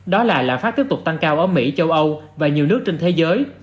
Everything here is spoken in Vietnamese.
đó là lạm phát tiếp tục tăng cao ở mỹ châu âu và nhiều nước trên thế giới